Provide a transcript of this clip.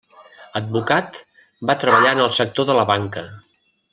Advocat, va treballar en el sector de la banca.